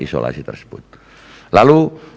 isolasi tersebut lalu